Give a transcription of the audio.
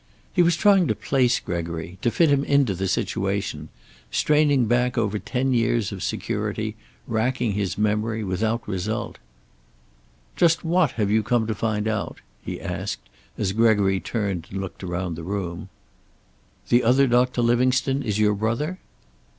He was trying to place Gregory, to fit him into the situation; straining back over ten years of security, racking his memory, without result. "Just what have you come to find out?" he asked, as Gregory turned and looked around the room. "The other Doctor Livingstone is your brother?"